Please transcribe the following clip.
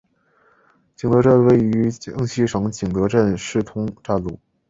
景德镇站位于江西省景德镇市通站路。